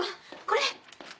これ。